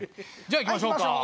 じゃあいきましょうか。